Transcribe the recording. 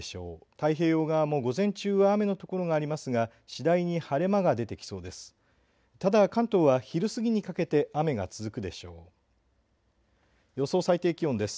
太平洋側も午前中は雨の所がありますが次第にに晴れ間が出てきそうです。